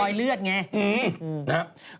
มีรอยเลือดไง